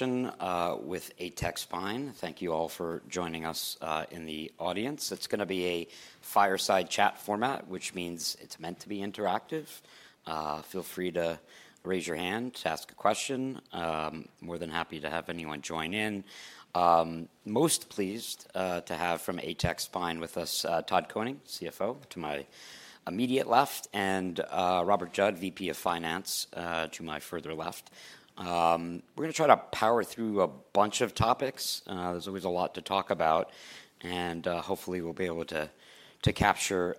With ATEC Spine. Thank you all for joining us in the audience. It's going to be a fireside chat format, which means it's meant to be interactive. Feel free to raise your hand to ask a question. More than happy to have anyone join in. Most pleased to have from ATEC Spine with us, Todd Koning, CFO, to my immediate left, and Robert Judd, VP of Finance, to my further left. We're going to try to power through a bunch of topics. There's always a lot to talk about, and hopefully we'll be able to capture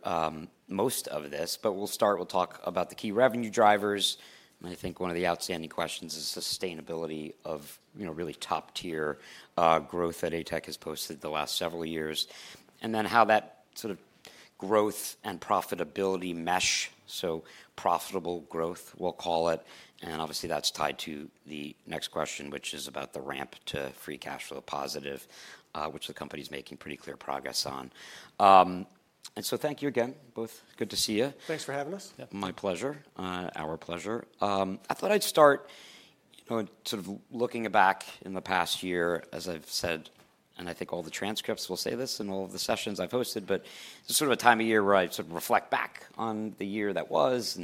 most of this. But we'll start, we'll talk about the key revenue drivers. I think one of the outstanding questions is sustainability of really top-tier growth that ATEC has posted the last several years, and then how that sort of growth and profitability mesh, so profitable growth, we'll call it. And obviously that's tied to the next question, which is about the ramp to free cash flow positive, which the company's making pretty clear progress on. And so thank you again, both. Good to see you. Thanks for having us. My pleasure, our pleasure. I thought I'd start sort of looking back in the past year, as I've said, and I think all the transcripts will say this in all of the sessions I've hosted, but this is sort of a time of year where I sort of reflect back on the year that was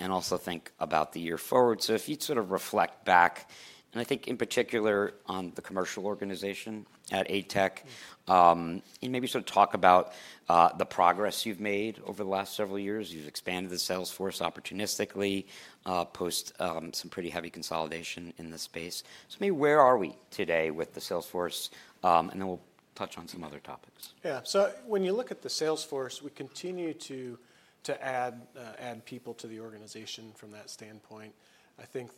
and also think about the year forward. So if you'd sort of reflect back, and I think in particular on the commercial organization at ATEC, and maybe sort of talk about the progress you've made over the last several years. You've expanded the sales force opportunistically post some pretty heavy consolidation in this space. So maybe where are we today with the sales force? And then we'll touch on some other topics. Yeah. So when you look at the sales force, we continue to add people to the organization from that standpoint. I think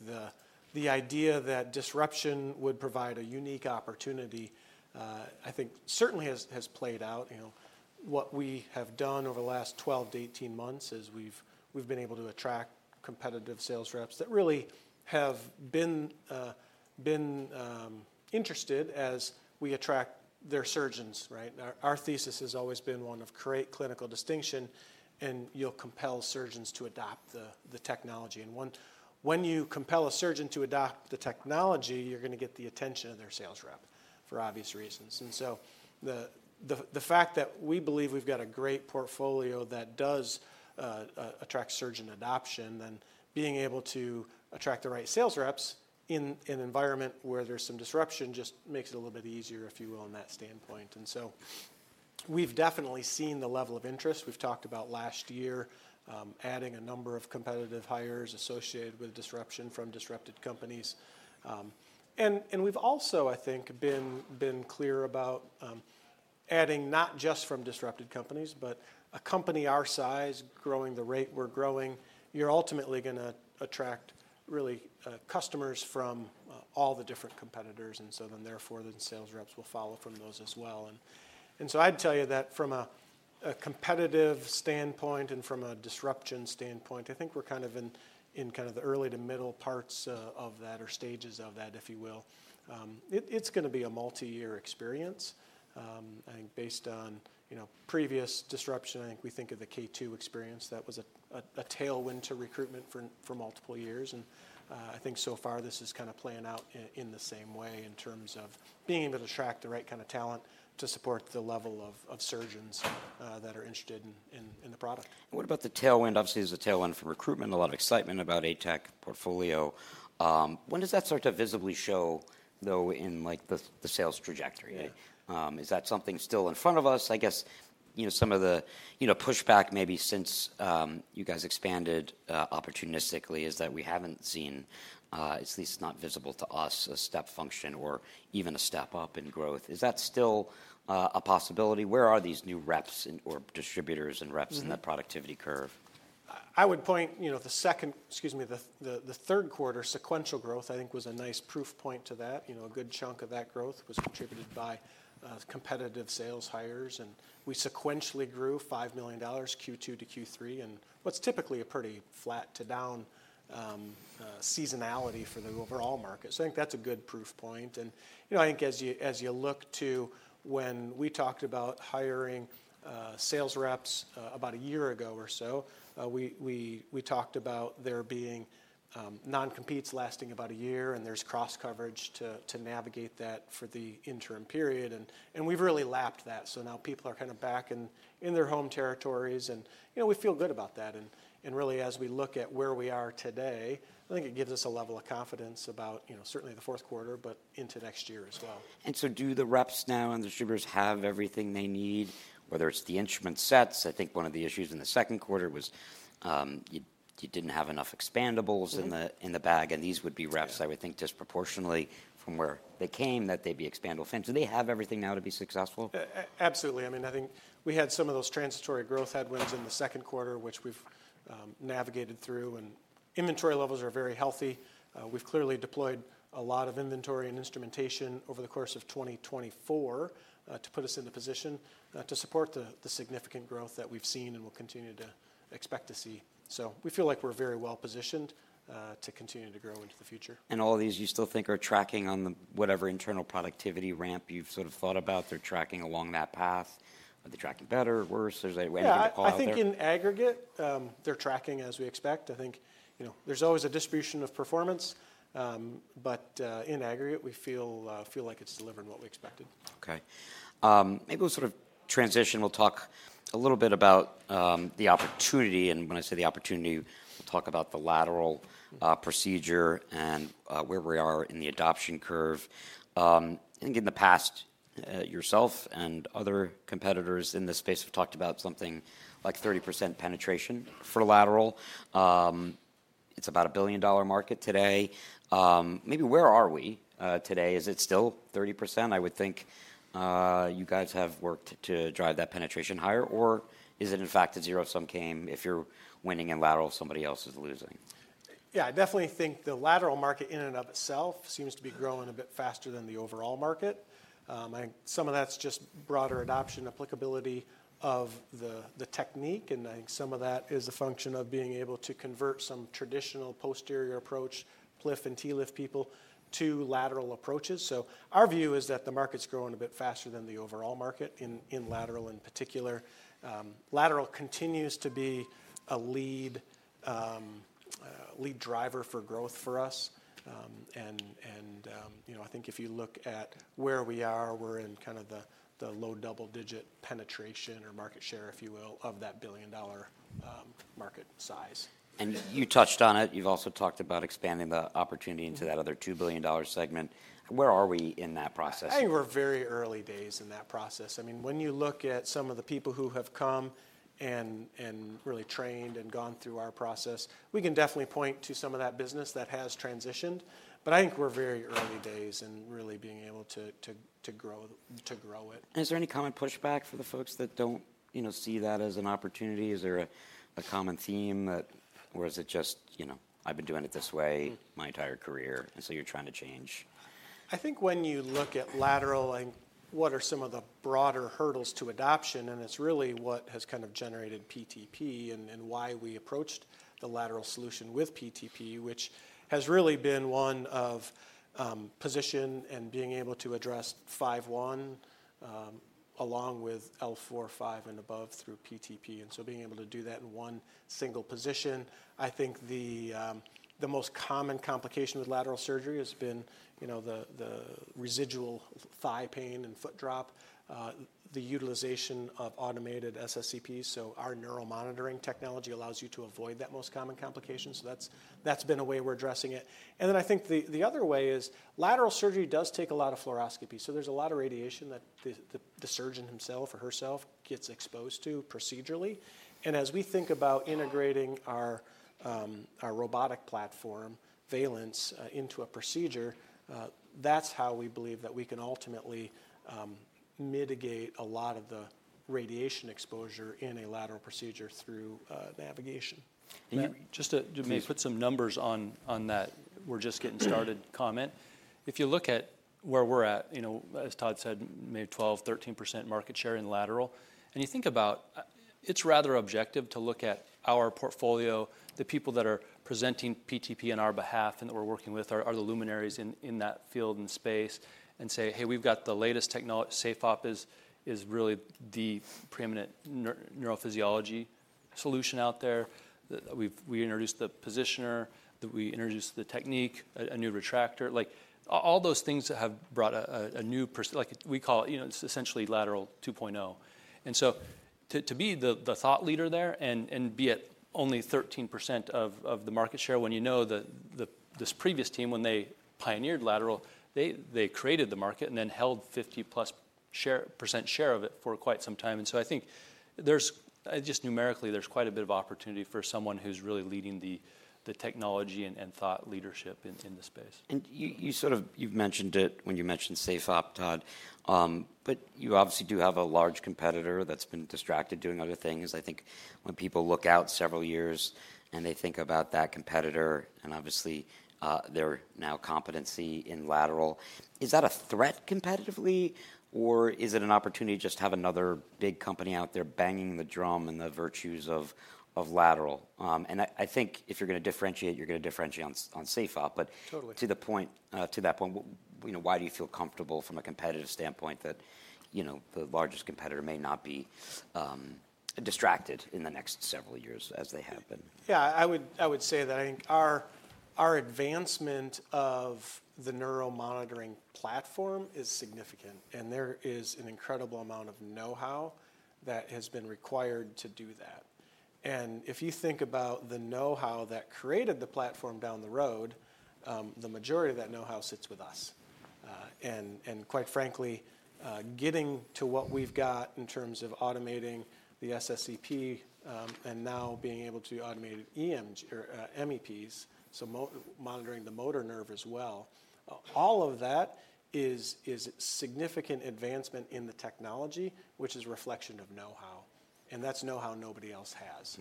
the idea that disruption would provide a unique opportunity, I think certainly has played out. What we have done over the last 12-18 months is we've been able to attract competitive sales reps that really have been interested as we attract their surgeons. Our thesis has always been one of create clinical distinction, and you'll compel surgeons to adopt the technology. And when you compel a surgeon to adopt the technology, you're going to get the attention of their sales rep for obvious reasons. And so the fact that we believe we've got a great portfolio that does attract surgeon adoption, then being able to attract the right sales reps in an environment where there's some disruption just makes it a little bit easier, if you will, on that standpoint. And so we've definitely seen the level of interest. We've talked about last year adding a number of competitive hires associated with disruption from disrupted companies. And we've also, I think, been clear about adding not just from disrupted companies, but a company our size growing the rate we're growing, you're ultimately going to attract really customers from all the different competitors. And so then therefore then sales reps will follow from those as well. I'd tell you that from a competitive standpoint and from a disruption standpoint, I think we're kind of in the early to middle parts of that or stages of that, if you will. It's going to be a multi-year experience. I think based on previous disruption, I think we think of the K2M experience. That was a tailwind to recruitment for multiple years. And I think so far this is kind of playing out in the same way in terms of being able to attract the right kind of talent to support the level of surgeons that are interested in the product. What about the tailwind? Obviously, there's a tailwind from recruitment, a lot of excitement about ATEC portfolio. When does that start to visibly show, though, in the sales trajectory? Is that something still in front of us? I guess some of the pushback maybe since you guys expanded opportunistically is that we haven't seen, at least not visible to us, a step function or even a step up in growth. Is that still a possibility? Where are these new reps or distributors and reps in that productivity curve? I would point to the second, excuse me, the third quarter sequential growth, I think, was a nice proof point to that. A good chunk of that growth was contributed by competitive sales hires. And we sequentially grew $5 million Q2 to Q3 in what's typically a pretty flat to down seasonality for the overall market. So I think that's a good proof point. And I think as you look to when we talked about hiring sales reps about a year ago or so, we talked about there being non-competes lasting about a year and there's cross coverage to navigate that for the interim period. And we've really lapped that. So now people are kind of back in their home territories and we feel good about that. Really as we look at where we are today, I think it gives us a level of confidence about certainly the fourth quarter, but into next year as well. And so, do the reps now and distributors have everything they need, whether it's the instrument sets? I think one of the issues in the second quarter was you didn't have enough expandables in the bag. And these would be reps, I would think, disproportionately from where they came that they'd be expandable fans. Do they have everything now to be successful? Absolutely. I mean, I think we had some of those transitory growth headwinds in the second quarter, which we've navigated through. And inventory levels are very healthy. We've clearly deployed a lot of inventory and instrumentation over the course of 2024 to put us in the position to support the significant growth that we've seen and we'll continue to expect to see. So we feel like we're very well positioned to continue to grow into the future. And all these you still think are tracking on whatever internal productivity ramp you've sort of thought about, they're tracking along that path? Are they tracking better or worse? I think in aggregate, they're tracking as we expect. I think there's always a distribution of performance, but in aggregate, we feel like it's delivering what we expected. Okay. Maybe we'll sort of transition. We'll talk a little bit about the opportunity, and when I say the opportunity, we'll talk about the lateral procedure and where we are in the adoption curve. I think in the past, yourself and other competitors in this space have talked about something like 30% penetration for lateral. It's about a $1 billion market today. Maybe where are we today? Is it still 30%? I would think you guys have worked to drive that penetration higher, or is it in fact a zero-sum game if you're winning in lateral, somebody else is losing? Yeah, I definitely think the lateral market in and of itself seems to be growing a bit faster than the overall market. I think some of that's just broader adoption applicability of the technique, and I think some of that is a function of being able to convert some traditional posterior approach, PLIF and TLIF people to lateral approaches, so our view is that the market's growing a bit faster than the overall market in lateral in particular. Lateral continues to be a lead driver for growth for us, and I think if you look at where we are, we're in kind of the low double digit penetration or market share, if you will, of that $1 billion market size. And you touched on it. You've also talked about expanding the opportunity into that other $2 billion segment. Where are we in that process? I think we're very early days in that process. I mean, when you look at some of the people who have come and really trained and gone through our process, we can definitely point to some of that business that has transitioned. But I think we're very early days in really being able to grow it. Is there any common pushback for the folks that don't see that as an opportunity? Is there a common theme that, or is it just, I've been doing it this way my entire career and so you're trying to change? I think when you look at lateral, what are some of the broader hurdles to adoption? And it's really what has kind of generated PTP and why we approached the lateral solution with PTP, which has really been one of position and being able to address L5/S1 along with L4-L5, and above through PTP. And so being able to do that in one single position, I think the most common complication with lateral surgery has been the residual thigh pain and foot drop, the utilization of automated SSEPs. So our neural monitoring technology allows you to avoid that most common complication. So that's been a way we're addressing it. And then I think the other way is lateral surgery does take a lot of fluoroscopy. So there's a lot of radiation that the surgeon himself or herself gets exposed to procedurally. As we think about integrating our robotic platform, Valence, into a procedure, that's how we believe that we can ultimately mitigate a lot of the radiation exposure in a lateral procedure through navigation. Just to maybe put some numbers on that, we're just getting started comment. If you look at where we're at, as Todd said, maybe 12%-13% market share in lateral. You think about, it's rather objective to look at our portfolio, the people that are presenting PTP on our behalf and that we're working with are the luminaries in that field and space and say, hey, we've got the latest technology. SafeOp is really the preeminent neurophysiology solution out there. We introduced the positioner, we introduced the technique, a new retractor. All those things have brought a new, we call it essentially lateral 2.0. So to be the thought leader there and be at only 13% of the market share when you know this previous team, when they pioneered lateral, they created the market and then held 50-plus% share of it for quite some time. And so I think just numerically, there's quite a bit of opportunity for someone who's really leading the technology and thought leadership in the space. And you sort of, you've mentioned it when you mentioned SafeOp, Todd, but you obviously do have a large competitor that's been distracted doing other things. I think when people look out several years and they think about that competitor and obviously they're now competent in lateral, is that a threat competitively or is it an opportunity to just have another big company out there banging the drum and the virtues of lateral? And I think if you're going to differentiate, you're going to differentiate on SafeOp. But to that point, why do you feel comfortable from a competitive standpoint that the largest competitor may not be distracted in the next several years as they have been? Yeah, I would say that I think our advancement of the neuromonitoring platform is significant. And there is an incredible amount of know-how that has been required to do that. And if you think about the know-how that created the platform down the road, the majority of that know-how sits with us. And quite frankly, getting to what we've got in terms of automating the SSEP and now being able to automate MEPs, so monitoring the motor nerve as well, all of that is significant advancement in the technology, which is a reflection of know-how. And that's know-how nobody else has.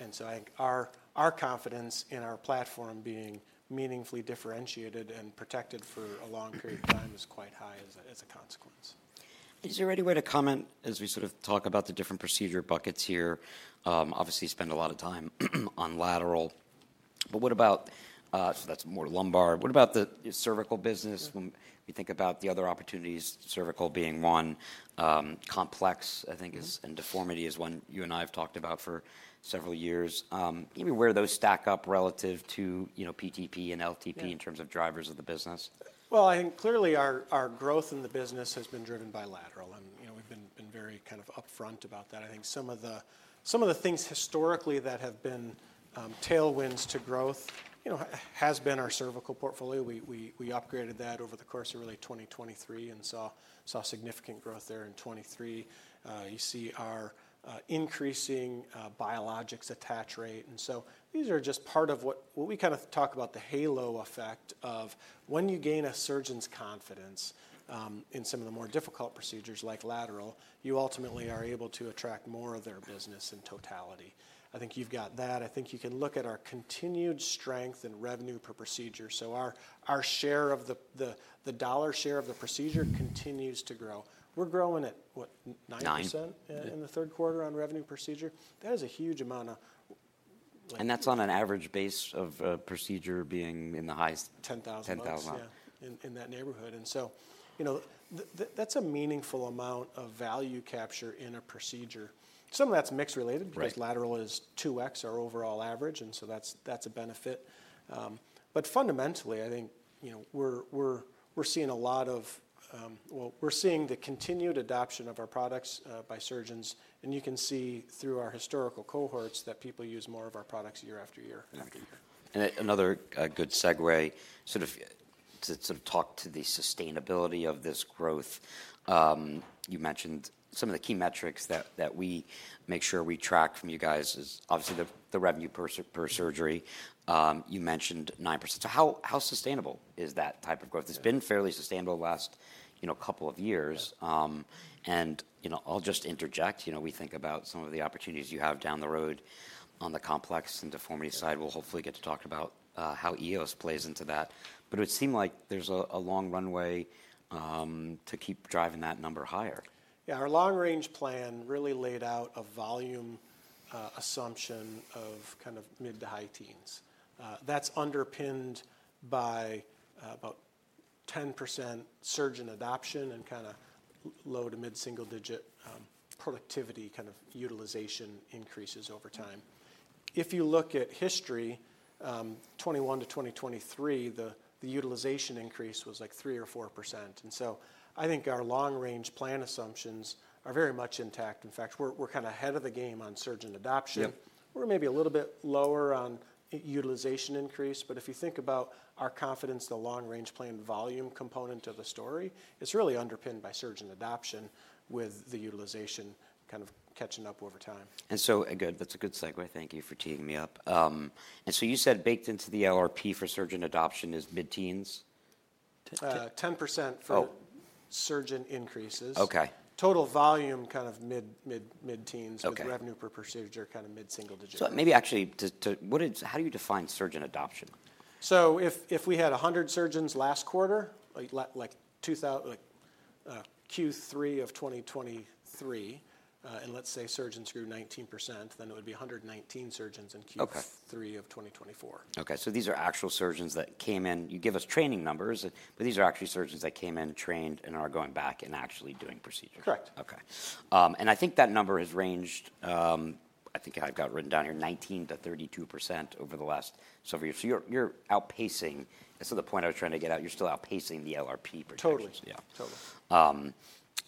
And so I think our confidence in our platform being meaningfully differentiated and protected for a long period of time is quite high as a consequence. Is there any way to comment as we sort of talk about the different procedure buckets here? Obviously, you spend a lot of time on lateral, but what about, so that's more lumbar. What about the cervical business? We think about the other opportunities, cervical being one complex, I think, and deformity is one you and I have talked about for several years. Maybe where those stack up relative to PTP and LTP in terms of drivers of the business? Well, I think clearly our growth in the business has been driven by lateral, and we've been very kind of upfront about that. I think some of the things historically that have been tailwinds to growth has been our cervical portfolio. We upgraded that over the course of really 2023 and saw significant growth there in 2023. You see our increasing biologics attach rate, and so these are just part of what we kind of talk about the halo effect of when you gain a surgeon's confidence in some of the more difficult procedures like lateral, you ultimately are able to attract more of their business in totality. I think you've got that. I think you can look at our continued strength and revenue per procedure, so our share of the dollar share of the procedure continues to grow. We're growing at what, 9% in the third quarter on revenue per procedure. That is a huge amount of. That's on an average basis of procedure being in the highest. 10,000. 10,000. Yeah, in that neighborhood. And so that's a meaningful amount of value capture in a procedure. Some of that's mixed related because lateral is 2X our overall average. And so that's a benefit. But fundamentally, I think we're seeing a lot of, well, we're seeing the continued adoption of our products by surgeons. And you can see through our historical cohorts that people use more of our products year after year. Another good segue sort of to sort of talk to the sustainability of this growth. You mentioned some of the key metrics that we make sure we track from you guys is obviously the revenue per surgery. You mentioned 9%. So how sustainable is that type of growth? It's been fairly sustainable the last couple of years. I'll just interject. We think about some of the opportunities you have down the road on the complex and deformity side. We'll hopefully get to talk about how EOS plays into that. It would seem like there's a long runway to keep driving that number higher. Yeah, our long range plan really laid out a volume assumption of kind of mid to high teens. That's underpinned by about 10% surgeon adoption and kind of low to mid single digit productivity kind of utilization increases over time. If you look at history, 2021 to 2023, the utilization increase was like 3 or 4%. And so I think our long range plan assumptions are very much intact. In fact, we're kind of ahead of the game on surgeon adoption. We're maybe a little bit lower on utilization increase. But if you think about our confidence, the long range plan volume component of the story, it's really underpinned by surgeon adoption with the utilization kind of catching up over time. And so that's a good segue. Thank you for teeing me up. And so you said baked into the LRP for surgeon adoption is mid teens? 10% for surgeon increases. Total volume kind of mid-teens, but revenue per procedure kind of mid-single-digit. Maybe actually how do you define surgeon adoption? If we had 100 surgeons last quarter, like Q3 of 2023, and let's say surgeons grew 19%, then it would be 119 surgeons in Q3 of 2024. Okay. So these are actual surgeons that came in. You give us training numbers, but these are actually surgeons that came in, trained, and are going back and actually doing procedures. Correct. Okay, and I think that number has ranged, I think I've got written down here, 19%-32% over the last several years. So you're outpacing, that's the point I was trying to get out. You're still outpacing the LRP percentage. Totally. Totally.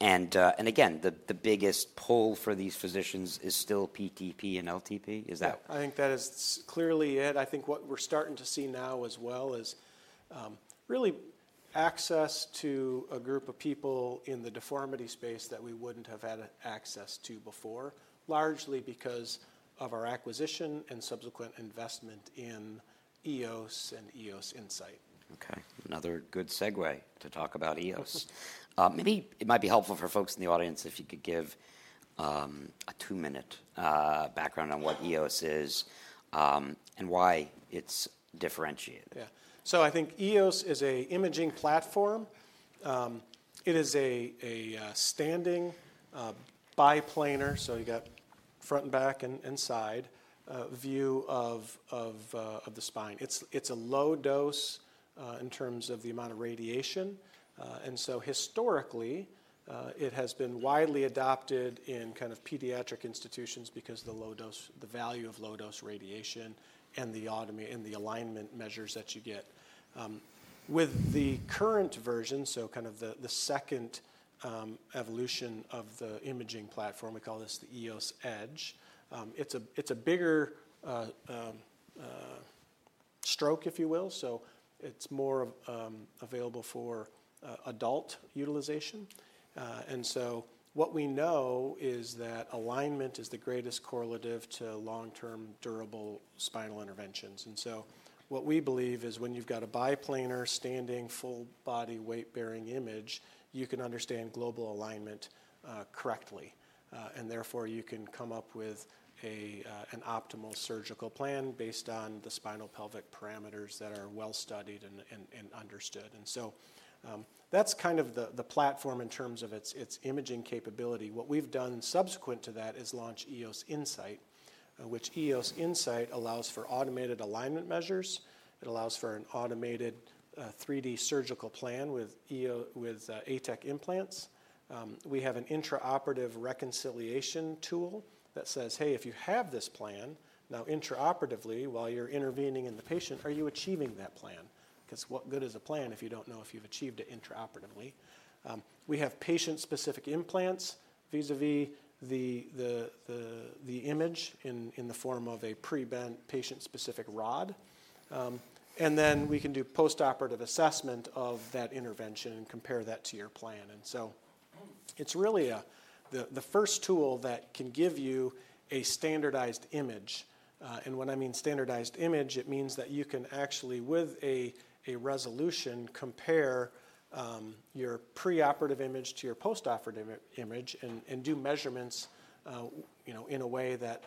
And again, the biggest pull for these physicians is still PTP and LTP. Is that? I think that is clearly it. I think what we're starting to see now as well is really access to a group of people in the deformity space that we wouldn't have had access to before, largely because of our acquisition and subsequent investment in EOS and EOS Insight. Okay. Another good segue to talk about EOS. Maybe it might be helpful for folks in the audience if you could give a two minute background on what EOS is and why it's differentiated. Yeah. So I think EOS is an imaging platform. It is a standing biplanar. So you got front and back and side view of the spine. It's a low dose in terms of the amount of radiation. And so historically, it has been widely adopted in kind of pediatric institutions because of the value of low dose radiation and the alignment measures that you get. With the current version, so kind of the second evolution of the imaging platform, we call this the EOS Edge. It's a bigger stroke, if you will. So it's more available for adult utilization. And so what we know is that alignment is the greatest correlative to long-term durable spinal interventions. And so what we believe is when you've got a biplanar standing full body weight bearing image, you can understand global alignment correctly. And therefore, you can come up with an optimal surgical plan based on the spinopelvic parameters that are well studied and understood. And so that's kind of the platform in terms of its imaging capability. What we've done subsequent to that is launch EOS Insight, which EOS Insight allows for automated alignment measures. It allows for an automated 3D surgical plan with ATEC implants. We have an intraoperative reconciliation tool that says, hey, if you have this plan, now intraoperatively, while you're intervening in the patient, are you achieving that plan? Because what good is a plan if you don't know if you've achieved it intraoperatively? We have patient-specific implants vis-à-vis the image in the form of a pre-bent patient-specific rod. And then we can do postoperative assessment of that intervention and compare that to your plan. And so it's really the first tool that can give you a standardized image. And when I mean standardized image, it means that you can actually, with a resolution, compare your preoperative image to your postoperative image and do measurements in a way that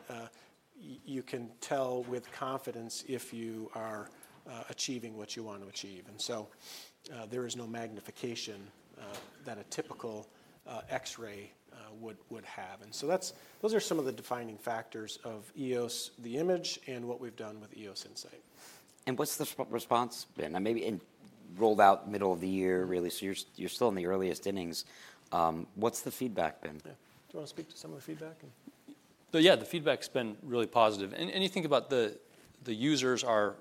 you can tell with confidence if you are achieving what you want to achieve. And so there is no magnification that a typical X-ray would have. And so those are some of the defining factors of EOS, the image, and what we've done with EOS Insight. And what's the response been? And maybe rolled out middle of the year, really. So you're still in the earliest innings. What's the feedback been? Yeah. Do you want to speak to some of the feedback? Yeah, the feedback's been really positive. And you think about the users are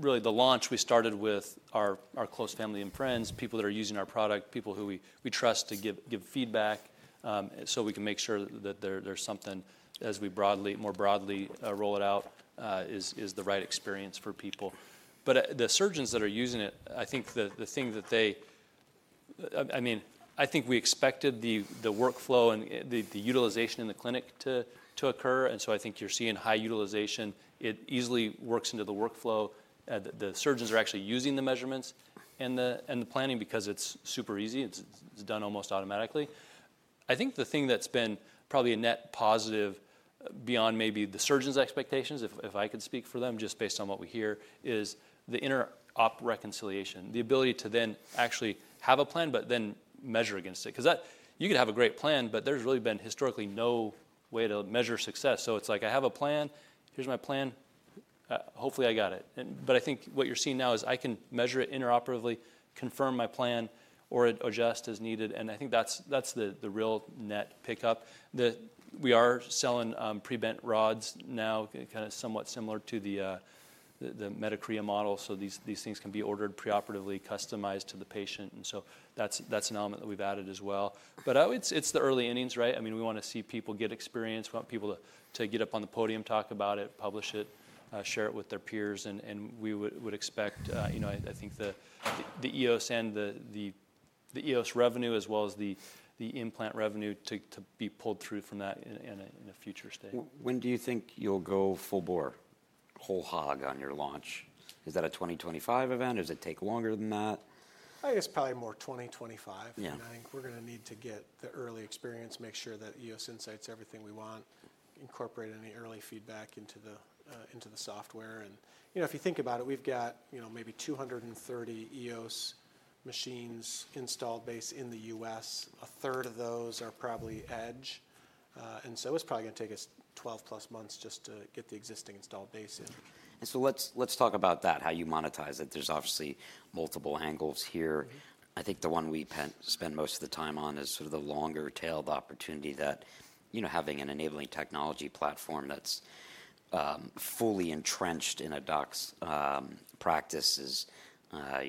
really the launch. We started with our close family and friends, people that are using our product, people who we trust to give feedback so we can make sure that there's something as we more broadly roll it out is the right experience for people. But the surgeons that are using it, I think the thing that they, I mean, I think we expected the workflow and the utilization in the clinic to occur. And so I think you're seeing high utilization. It easily works into the workflow. The surgeons are actually using the measurements and the planning because it's super easy. It's done almost automatically. I think the thing that's been probably a net positive beyond maybe the surgeon's expectations, if I could speak for them just based on what we hear, is the intraop reconciliation, the ability to then actually have a plan, but then measure against it. Because you could have a great plan, but there's really been historically no way to measure success. So it's like I have a plan, here's my plan, hopefully I got it. But I think what you're seeing now is I can measure it intraoperatively, confirm my plan, or adjust as needed. And I think that's the real net pickup. We are selling pre-bent rods now, kind of somewhat similar to the Medicare model. So these things can be ordered preoperatively, customized to the patient. And so that's an element that we've added as well. But it's the early innings, right? I mean, we want to see people get experience. We want people to get up on the podium, talk about it, publish it, share it with their peers. And we would expect, I think the EOS and the EOS revenue as well as the implant revenue to be pulled through from that in a future state. When do you think you'll go full bore, whole hog on your launch? Is that a 2025 event? Does it take longer than that? I guess probably more 2025, and I think we're going to need to get the early experience, make sure that EOS Insight's everything we want, incorporate any early feedback into the software, and if you think about it, we've got maybe 230 EOS machines installed base in the U.S. A third of those are probably Edge, and so it's probably going to take us 12 plus months just to get the existing installed base in. Let's talk about that, how you monetize it. There's obviously multiple angles here. I think the one we spend most of the time on is sort of the longer tailed opportunity that having an enabling technology platform that's fully entrenched in a doc's practice is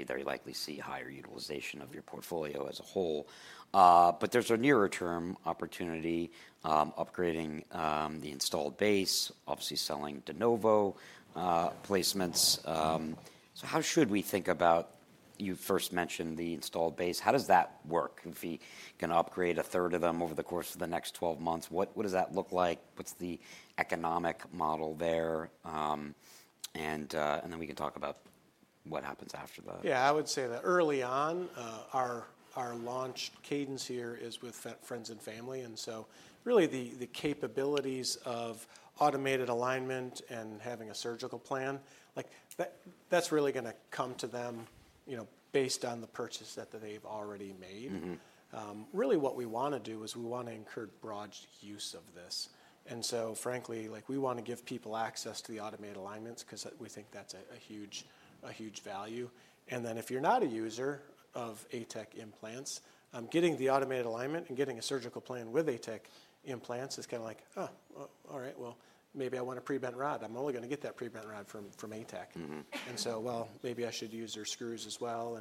very likely to see higher utilization of your portfolio as a whole. There's a nearer term opportunity upgrading the installed base, obviously selling de novo placements. How should we think about, you first mentioned the installed base, how does that work? If we can upgrade a third of them over the course of the next 12 months, what does that look like? What's the economic model there? We can talk about what happens after that. Yeah, I would say that early on, our launch cadence here is with friends and family, and so really the capabilities of automated alignment and having a surgical plan, that's really going to come to them based on the purchase that they've already made. Really what we want to do is we want to encourage broad use of this, and so frankly, we want to give people access to the automated alignments because we think that's a huge value. And then if you're not a user of ATEC implants, getting the automated alignment and getting a surgical plan with ATEC implants is kind of like, oh, all right, well, maybe I want a pre-bent rod. I'm only going to get that pre-bent rod from ATEC, and so, well, maybe I should use their screws as well.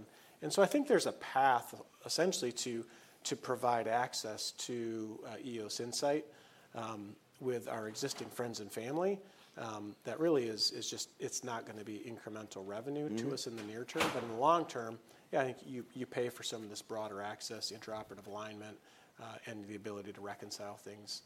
I think there's a path essentially to provide access to EOS Insight with our existing friends and family. That really is just. It's not going to be incremental revenue to us in the near term. In the long term, yeah, I think you pay for some of this broader access, intraoperative alignment, and the ability to reconcile things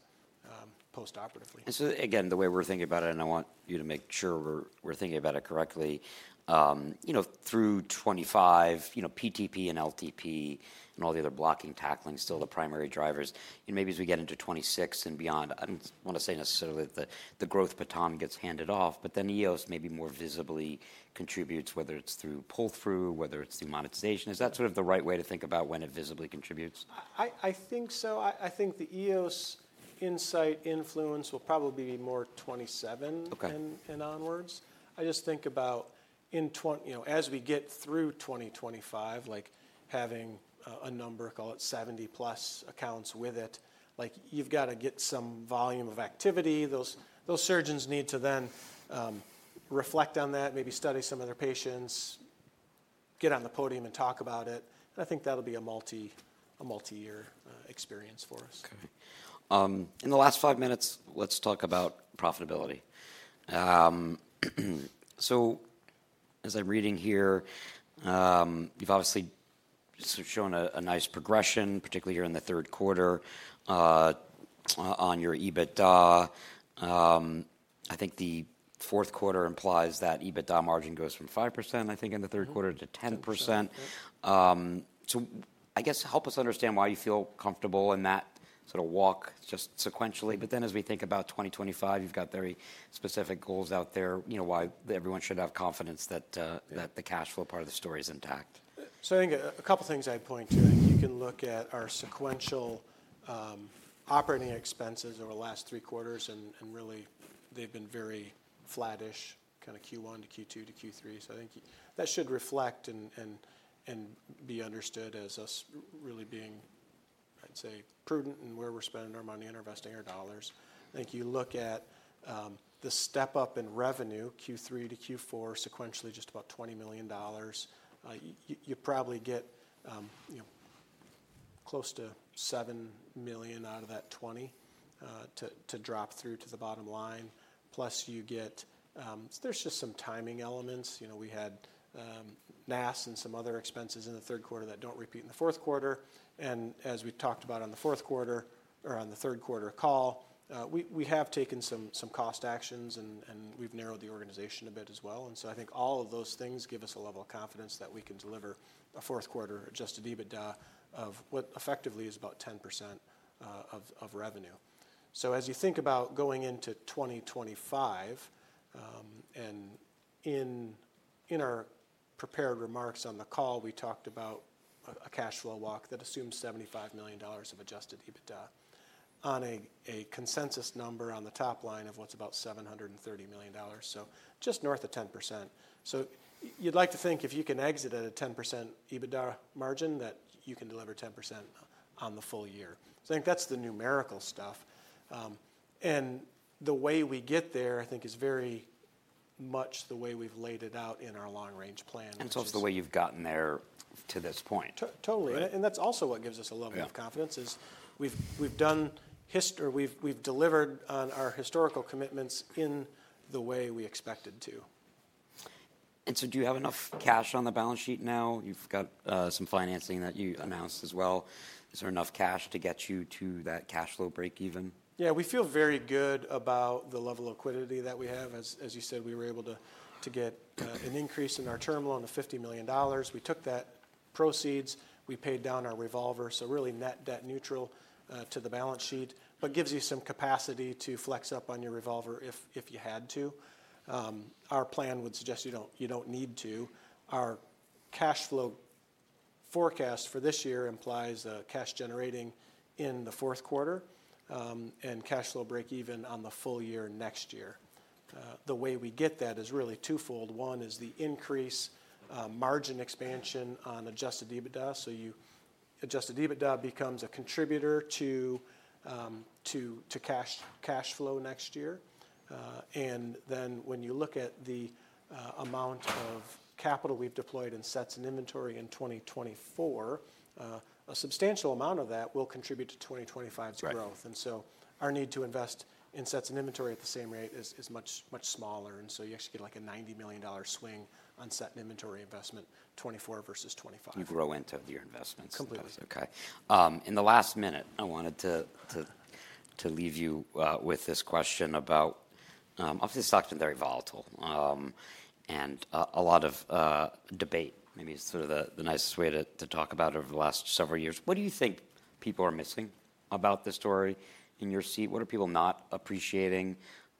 postoperatively. So again, the way we're thinking about it, and I want you to make sure we're thinking about it correctly, through 2025, PTP and LTP and all the other blocking and tackling still the primary drivers. Maybe as we get into 2026 and beyond, I don't want to say necessarily that the growth baton gets handed off, but then EOS maybe more visibly contributes, whether it's through pull-through, whether it's through monetization. Is that sort of the right way to think about when it visibly contributes? I think so. I think the EOS Insight influence will probably be more 2027 and onwards. I just think about as we get through 2025, like having a number, call it 70 plus accounts with it, like you've got to get some volume of activity. Those surgeons need to then reflect on that, maybe study some of their patients, get on the podium and talk about it. And I think that'll be a multi-year experience for us. Okay. In the last five minutes, let's talk about profitability. So as I'm reading here, you've obviously shown a nice progression, particularly here in the third quarter on your EBITDA. I think the fourth quarter implies that EBITDA margin goes from 5%, I think, in the third quarter to 10%. So I guess help us understand why you feel comfortable in that sort of walk just sequentially. But then as we think about 2025, you've got very specific goals out there, why everyone should have confidence that the cash flow part of the story is intact. So I think a couple of things I'd point to. You can look at our sequential operating expenses over the last three quarters, and really they've been very flattish, kind of Q1 to Q2 to Q3. So I think that should reflect and be understood as us really being, I'd say, prudent in where we're spending our money and investing our dollars. I think you look at the step up in revenue, Q3 to Q4 sequentially, just about $20 million. You probably get close to $7 million out of that $20 to drop through to the bottom line. Plus you get, there's just some timing elements. We had NASS and some other expenses in the third quarter that don't repeat in the fourth quarter. As we talked about on the fourth quarter or on the third quarter call, we have taken some cost actions and we've narrowed the organization a bit as well. I think all of those things give us a level of confidence that we can deliver a fourth quarter adjusted EBITDA of what effectively is about 10% of revenue. As you think about going into 2025, and in our prepared remarks on the call, we talked about a cash flow walk that assumes $75 million of adjusted EBITDA on a consensus number on the top line of what's about $730 million. Just north of 10%. You'd like to think if you can exit at a 10% EBITDA margin that you can deliver 10% on the full year. I think that's the numerical stuff. The way we get there, I think, is very much the way we've laid it out in our long-range plan. And so it's the way you've gotten there to this point. Totally. And that's also what gives us a level of confidence is we've delivered on our historical commitments in the way we expected to. And so do you have enough cash on the balance sheet now? You've got some financing that you announced as well. Is there enough cash to get you to that cash flow break-even? Yeah, we feel very good about the level of liquidity that we have. As you said, we were able to get an increase in our term loan on the $50 million. We took that proceeds. We paid down our revolver. So really net debt neutral to the balance sheet, but gives you some capacity to flex up on your revolver if you had to. Our plan would suggest you don't need to. Our cash flow forecast for this year implies cash generating in the fourth quarter and cash flow break-even on the full year next year. The way we get that is really twofold. One is the increase margin expansion on adjusted EBITDA. So adjusted EBITDA becomes a contributor to cash flow next year. And then when you look at the amount of capital we've deployed in sets and inventory in 2024, a substantial amount of that will contribute to 2025's growth. And so our need to invest in sets and inventory at the same rate is much smaller. And so you actually get like a $90 million swing on set and inventory investment 2024 versus 2025. You've rolled into your investments. Completely. Okay. In the last minute, I wanted to leave you with this question about, obviously, stocks have been very volatile and a lot of debate. Maybe it's sort of the nicest way to talk about it over the last several years. What do you think people are missing about this story in your seat? What are people not appreciating?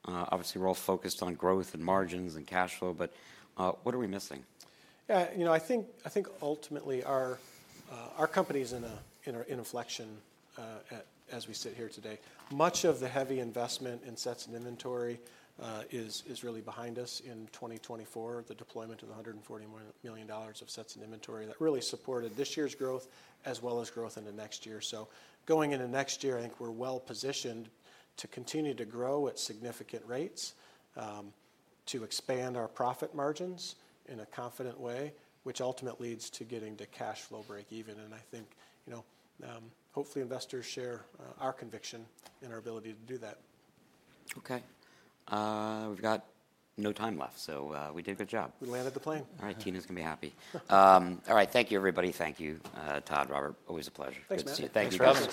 Obviously, we're all focused on growth and margins and cash flow, but what are we missing? Yeah, you know, I think ultimately our company is in inflection as we sit here today. Much of the heavy investment in sets and inventory is really behind us in 2024, the deployment of the $140 million of sets and inventory that really supported this year's growth as well as growth in the next year. So going into next year, I think we're well positioned to continue to grow at significant rates, to expand our profit margins in a confident way, which ultimately leads to getting to cash flow break-even. And I think hopefully investors share our conviction in our ability to do that. Okay. We've got no time left, so we did a good job. We landed the plane. All right, Tina's going to be happy. All right, thank you, everybody. Thank you, Todd, Robert. Always a pleasure. Thanks, Pat Miles. Thank you.